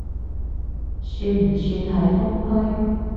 算唔算係封區？